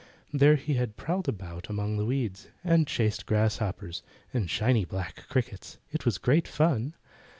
There he had prowled about among the weeds, and chased grasshoppers, and shiny black crickets. It was great fun.